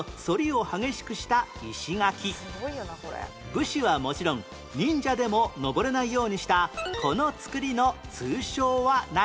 武士はもちろん忍者でも登れないようにしたこの造りの通称は何？